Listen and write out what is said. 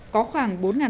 có khoảng bốn tám trăm linh